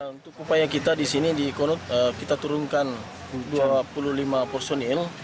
untuk upaya kita di sini di konut kita turunkan dua puluh lima personil